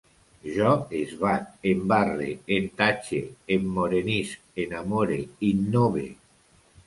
Jo esbat, embarre, entatxe, emmorenisc, enamore, innove